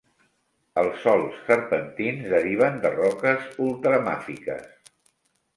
Els sòls serpentins deriven de roques ultramàfiques.